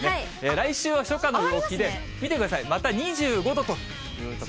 来週は初夏の陽気で、見てください、また２５度と。